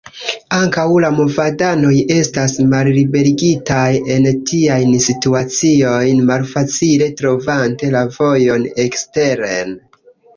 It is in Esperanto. Ankaŭ la movadanoj estas malliberigitaj en tiajn situaciojn, malfacile trovante la vojon eksteren.